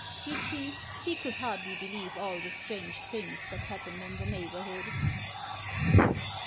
You see, he could hardly believe all the strange things that happened in the neighborhood.